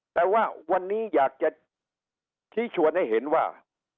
แต่ว่าวันนี้อยากจะชี้ชวนให้เห็นว่า